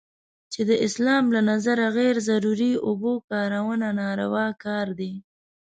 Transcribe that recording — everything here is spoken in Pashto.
چې د اسلام له نظره غیر ضروري اوبو کارونه ناروا کار دی.